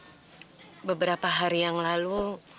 beberapa hari yang lalu